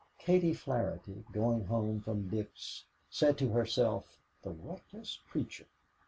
Katie Flaherty, going home from Dick's, said to herself: "The reckless creature!